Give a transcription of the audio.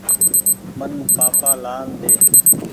مين پآپآ لآن ۮي۔